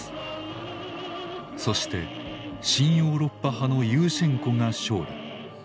そして親ヨーロッパ派のユーシェンコが勝利。